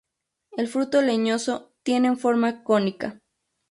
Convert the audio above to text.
El fruto leñoso tienen forma cónica.